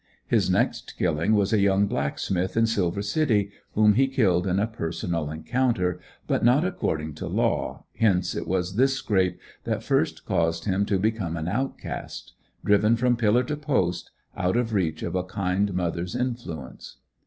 His next killing was a young blacksmith in Silver City whom he killed in a personal encounter, but not according to law, hence it was this scrape that first caused him to become an outcast; driven from pillar to post, out of reach of a kind mother's influence.